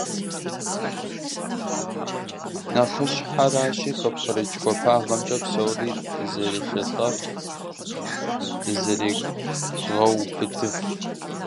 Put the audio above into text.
Нэхъыщхьэращи, къыпкърыкӏ гуапагъэмкӏэ псори дызэрешэлӏэф, дызэрегъэубыдыф.